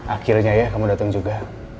akhirnya ya kamu datang juga